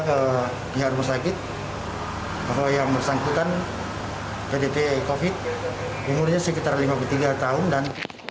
ke rumah sakit atau yang bersangkutan